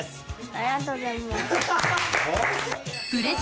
ありがとうございます。